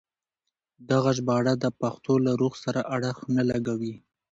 دغه ژباړه د پښتو له روح سره اړخ نه لګوي.